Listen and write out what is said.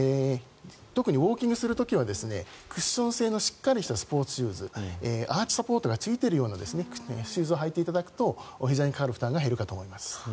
特にウォーキングをする時はクッション性のしっかりしたスポーツシューズアーチサポートがついているようなシューズを履いていただけるとおひざにかかる負担が減ると思います。